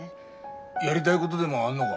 やりたいごどでもあんのが？